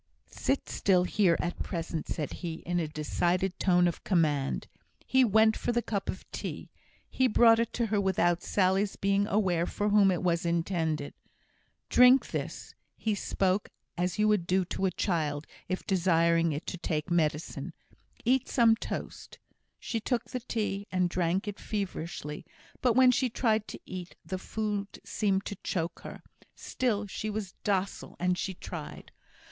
"Sit still here at present," said he, in a decided tone of command. He went for the cup of tea. He brought it to her without Sally's being aware for whom it was intended. "Drink this!" He spoke as you would do to a child, if desiring it to take medicine. "Eat some toast." She took the tea, and drank it feverishly; but when she tried to eat, the food seemed to choke her. Still she was docile, and she tried.